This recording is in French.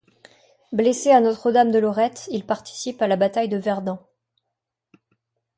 Blessé à Notre Dame de Lorette, il participe à la bataille de Verdun.